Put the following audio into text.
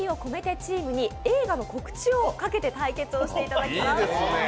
チームに映画の告知をかけて対決していただきます。